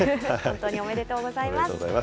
おめでとうございます。